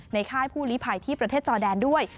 ค่ายผู้ลิภัยที่ประเทศจอแดนด้วย